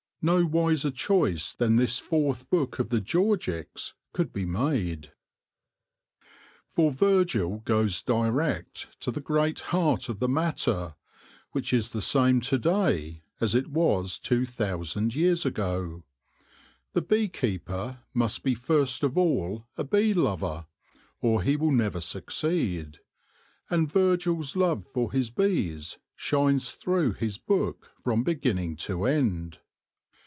no wiser choice than this fourth book of the Georgics could be made. 2 THE LORE OF THE HONEY BEE For Virgil goes direct to the great heart of the matter, which is the same to day as it was two thou sand years ago. The bee keeper must be first of all a bee lover, or he will never succeed ; and Virgil's love for his bees shines through his book from begin ning to end.